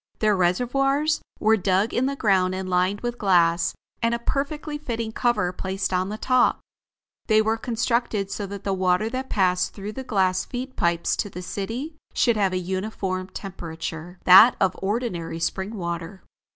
Their reservoirs were dug in the ground and lined with glass, and a perfectly fitting cover placed on the top. They were constructed so that the water that passed through the glass feed pipes to the city should have a uniform temperature, that of ordinary spring water.